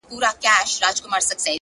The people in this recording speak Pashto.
دا د قامونو د خپلویو وطن!.